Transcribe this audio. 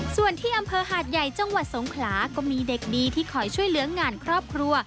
ส่วนที่อำเภอหาดใหญ่จังหวัดสงขลาก็มีเด็กดีที่คอยช่วยเหลืองานครอบครัว